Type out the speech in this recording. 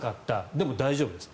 でも、大丈夫です。